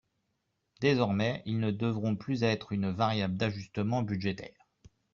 Désormais, ils ne devront plus être une variable d’ajustement budgétaire.